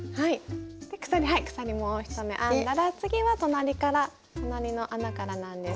鎖もう一目編んだら次は隣から隣の穴からなんですけれども。